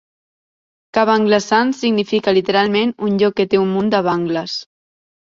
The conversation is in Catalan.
Kabanglasan significa literalment un lloc que té un munt de banglas.